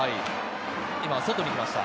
今は外に来ました。